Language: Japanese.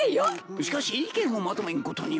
しかし意見をまとめんことには。